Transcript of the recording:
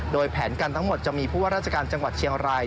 โดยแผนกันทั้งหมดจะมีผู้ว่าราชการจังหวัดเชียงราย